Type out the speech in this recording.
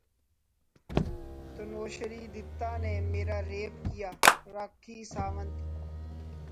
تنوشری دتہ نے میرا ریپ کیا راکھی ساونت